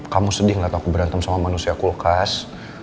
kamu sedih melihat aku berantem sama manusia kulkas